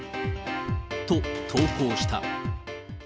と、投稿した。